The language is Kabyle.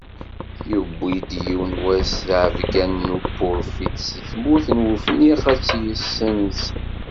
Yuwi-d yiwen wass ttɛebgga n tpurfit seg tmurt n Wefniq ad tt-yesenz.